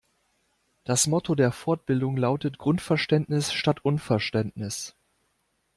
Das Motto der Fortbildung lautet Grundverständnis statt Unverständnis.